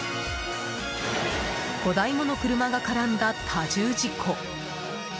５台もの車が絡んだ多重事故。